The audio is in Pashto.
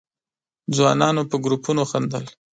ځوانانو په گروپونو خندل.